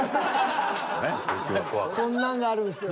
こんなんがあるんすよ。